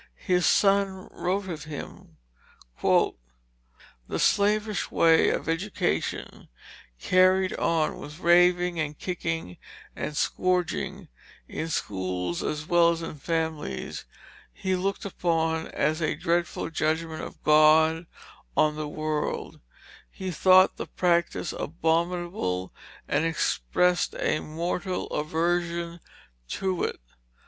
His son wrote of him: "The slavish way of education carried on with raving and kicking and scourging, in schools as well as in families, he looked upon as a dreadful judgment of God on the world: he thought the practice abominable and expressed a mortal aversion to it.